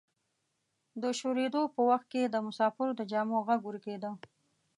د شورېدو په وخت کې د مسافرو د جامو غږ ورکیده.